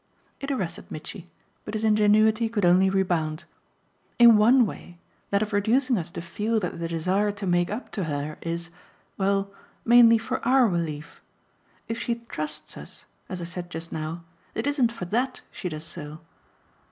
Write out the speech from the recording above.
It arrested Mitchy, but his ingenuity could only rebound. "In ONE way: that of reducing us to feel that the desire to 'make up' to her is well, mainly for OUR relief. If she 'trusts' us, as I said just now, it isn't for THAT she does so."